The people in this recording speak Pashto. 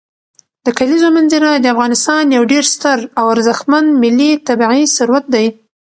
د کلیزو منظره د افغانستان یو ډېر ستر او ارزښتمن ملي طبعي ثروت دی.